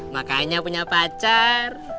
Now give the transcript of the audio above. makanya punya pacar